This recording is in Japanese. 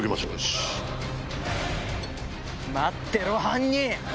待ってろ犯人！